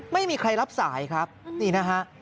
ไม่มีใครรับสายครับนี่นะฮะ